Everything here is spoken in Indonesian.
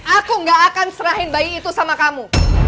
aku gak akan serahin bayi itu sama kamu